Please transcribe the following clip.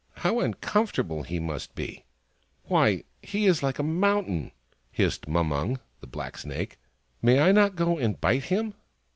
" How uncomfortable he must be !— why, he is like a mountain !" hissed Mumung, the Black Snake. " May I not go and bite him